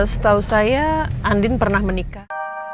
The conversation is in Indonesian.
setahu saya andin pernah menikah